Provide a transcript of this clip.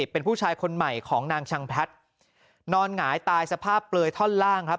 เป็นผู้ชายคนใหม่ของนางชังแพทย์นอนหงายตายสภาพเปลือยท่อนล่างครับ